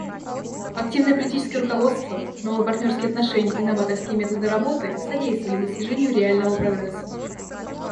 Активное политическое руководство, новые партнерские отношения и новаторские методы работы содействовали достижению реального прогресса.